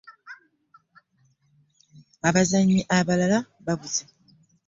Abazannyi abalala babuze.